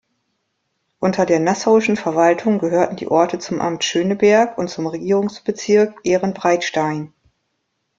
Unter der nassauischen Verwaltung gehörten die Orte zum Amt Schöneberg und zum Regierungsbezirk Ehrenbreitstein.